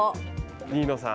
新野さん